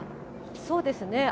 そうですね。